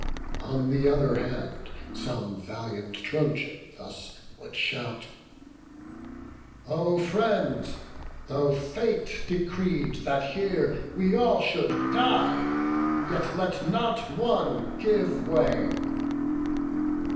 On th' other hand some valiant Trojan thus Would shout: "O friends, tho' fate decreed that here We all should die, yet let not one give way."